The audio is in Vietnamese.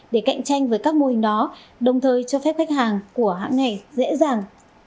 để cạnh tranh với các mô hình đó đồng thời cho phép khách hàng của hãng này dễ dàng